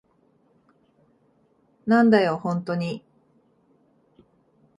なんだよ、ホントに。